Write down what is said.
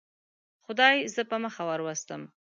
خدای زه په مخه وروستم.